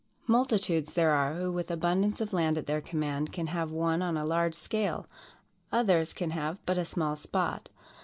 Multitudes there are, who, with abundance of land at their command, can have one on a large scale, others can have, but a small spot.